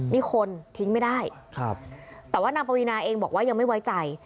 นี่คนทิ้งไม่ได้แต่ว่านางปวีนาเองบอกว่ายังไม่ไว้ใจ